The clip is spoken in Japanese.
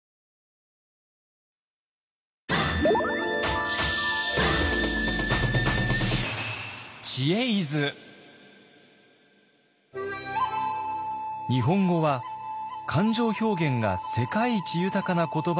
日本語は感情表現が世界一豊かな言葉ともいわれています。